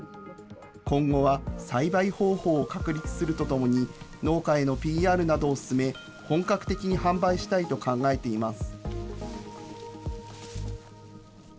今後は栽培方法を確立するとともに、農家へのＰＲなどを進め、本格的に販売したいと考えています。